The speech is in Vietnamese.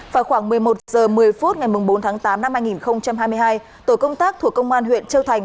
vào khoảng một mươi một h một mươi phút ngày bốn tháng tám năm hai nghìn hai mươi hai tổ công tác thuộc công an huyện châu thành